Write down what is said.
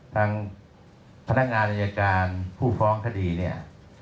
ทางพนักงานอายการผู้ฟ้องคดีเนี่ย